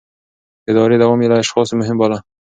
د ادارې دوام يې له اشخاصو مهم باله.